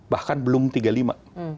bahkan belum tiga puluh lima